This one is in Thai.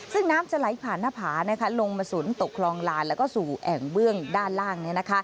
ซึ่งน้ำจะไหลผ่านหน้าผาลงมาสุนตกคลองลานแล้วก็สู่แอ่งเบื้องด้านล่าง